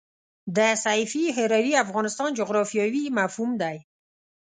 د سیفي هروي افغانستان جغرافیاوي مفهوم دی.